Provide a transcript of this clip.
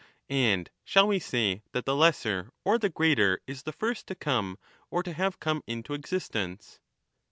And shall we say that the lesser or the greater is the first to come or to have come into existence